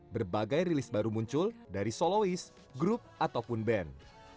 berbagai rilis baru muncul dari soloist group ataupun band